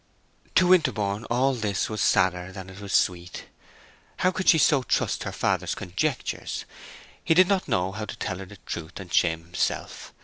To Winterborne all this was sadder than it was sweet. How could she so trust her father's conjectures? He did not know how to tell her the truth and shame himself.